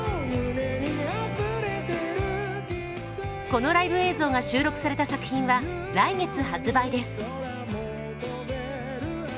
このライブ映像が収録された作品は来月発売です。